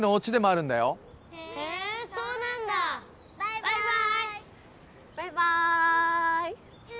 バイバーイ！